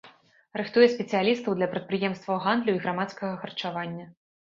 Рыхтуе спецыялістаў для прадпрыемстваў гандлю і грамадскага харчавання.